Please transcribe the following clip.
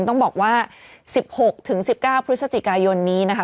ต้องบอกว่า๑๖๑๙พฤศจิกายนนี้นะคะ